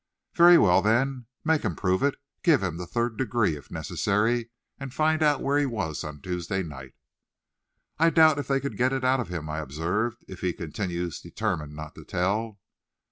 "Very well, then; make him prove it. Give him the third degree, if necessary, and find out where he was on Tuesday night." "I doubt if they could get it out of him," I observed, "if he continues determined not to tell."